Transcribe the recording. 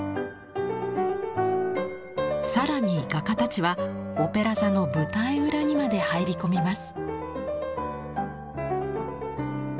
更に画家たちはオペラ座の舞台裏にまで入り込みます。